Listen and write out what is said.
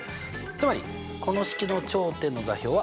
つまりこの式の頂点の座標は？